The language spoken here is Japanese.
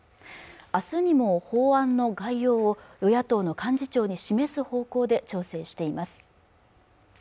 明日にも法案の概要を与野党の幹事長に示す方向で調整しています